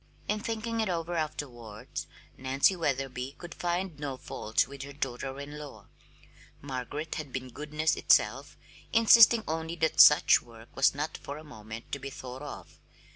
In thinking it over afterwards Nancy Wetherby could find no fault with her daughter in law. Margaret had been goodness itself, insisting only that such work was not for a moment to be thought of.